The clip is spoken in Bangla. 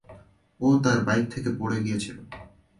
ও তার বাইক থেকে পড়ে গিয়েছিল।